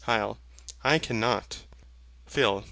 I cannot. PHIL.